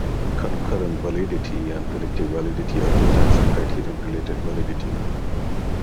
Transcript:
Concurrent validity and predictive validity are two types of criterion-related validity.